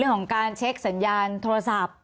ของการเช็คสัญญาณโทรศัพท์